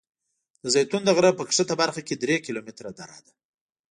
د زیتون د غره په ښکته برخه کې درې کیلومتره دره ده.